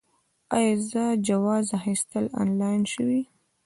آیا د جواز اخیستل آنلاین شوي؟